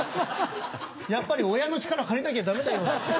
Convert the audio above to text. やっぱり親の力借りなきゃダメだよ。